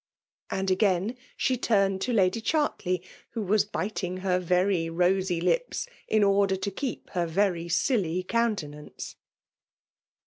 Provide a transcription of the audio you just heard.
*' And again dm turned to LaAf Ghartley, who was bidag her very rosy lipsi in order to keep her very silly oooatenance.